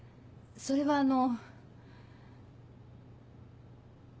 それはあの。